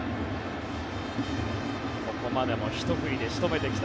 ここまでもひと振りで仕留めてきた